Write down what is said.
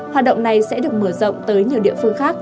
hoạt động này sẽ được mở rộng tới nhiều địa phương khác